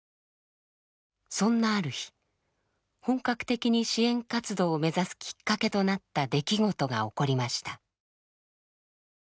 そんなある日本格的に支援活動を目指すきっかけとなった出来事が起こりました。